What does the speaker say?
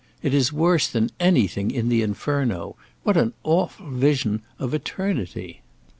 It is worse than anything in the 'Inferno.' What an awful vision of eternity!"